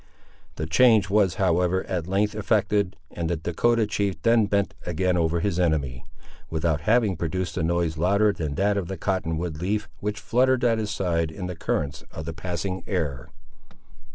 The change was, however, at length effected, and the Dahcotah chief then bent again over his enemy, without having produced a noise louder than that of the cotton wood leaf which fluttered at his side in the currents of the passing air.